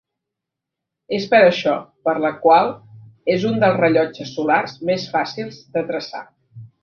És per això, per la qual és un dels rellotges solars més fàcils de traçar.